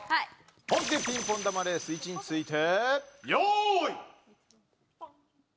本気でピンポン玉レース位置について。